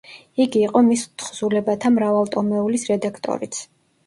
იგი იყო მის თხზულებათა მრავალტომეულის რედაქტორიც.